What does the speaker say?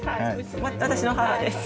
私の母です。